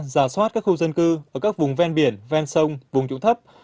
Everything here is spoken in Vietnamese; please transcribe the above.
giả soát các khu dân cư ở các vùng ven biển ven sông vùng trụng thấp